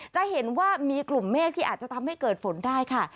จะเห็นว่ามีกลุ่มเมฆที่อาจจะทำให้เกิดฝนได้ค่ะ